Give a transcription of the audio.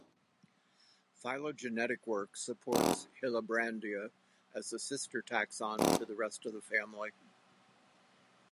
Phylogenetic work supports "Hillebrandia" as the sister taxon to the rest of the family.